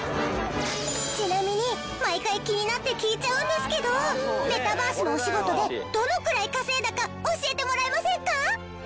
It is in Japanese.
ちなみに毎回気になって聞いちゃうんですけどメタバースのお仕事でどのくらい稼いだか教えてもらえませんか？